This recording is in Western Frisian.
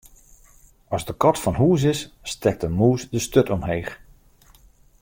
As de kat fan hûs is, stekt de mûs de sturt omheech.